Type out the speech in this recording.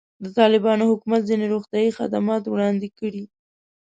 د طالبانو حکومت ځینې روغتیایي خدمات وړاندې کړي.